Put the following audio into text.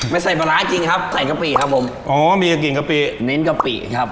ใส่ปลาร้าจริงครับใส่กะปิครับผมอ๋อมีกลิ่นกะปิเน้นกะปิครับ